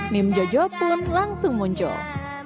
meme jojo pun langsung muncul